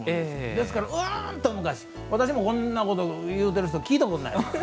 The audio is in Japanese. ですから、うーんと昔私もこんなこと言うてる人聞いたことない。